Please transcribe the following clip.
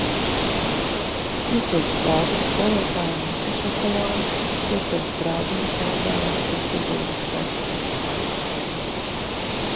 Pietrūkst flautas skolotāja Mika šokolādes! Pietrūkst draudzeņu pārgājiena pa Siguldas skaistākajām vietām!